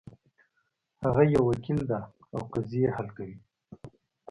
هغه یو وکیل ده او قضیې حل کوي